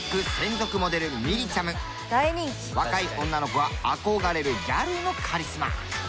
若い女の子が憧れるギャルのカリスマ。